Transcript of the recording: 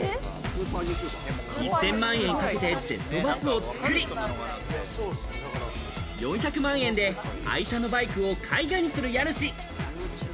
１０００万円かけてジェットバスを作り、４００万円で愛車のバイクを絵画にする家主。